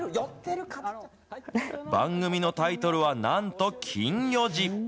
番組のタイトルは、なんと、金４時。